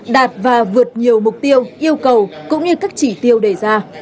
đạt và vượt nhiều mục tiêu yêu cầu cũng như các chỉ tiêu đề ra